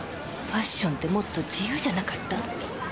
ファッションってもっと自由じゃなかった？